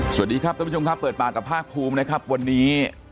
สวัสดีครับเปิดปากกับภาคภูมินะครับวันนี้